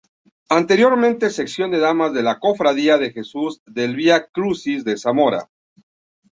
Anteriormente Sección de Damas de la Cofradía de Jesús del Vía Crucis de Zamora.